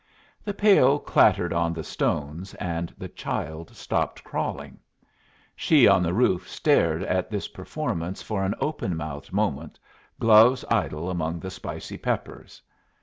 The pail clattered on the stones, and the child stopped crawling. She on the roof stared at this performance for an open mouthed moment, gloves idle among the spicy peppers.